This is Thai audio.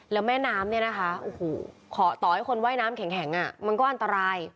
แล้วแม่น้ำขอต่อให้คนว่ายน้ำแข็งมันก็อันตราย